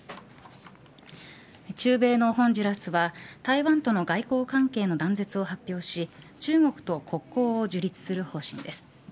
中米のホンジュラスは台湾との外交関係の断絶を発表し中国と国交を樹立する方針です。